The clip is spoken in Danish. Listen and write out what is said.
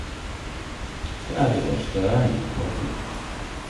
her er det dog større end en påfugl!